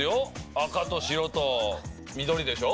赤と白と緑でしょ？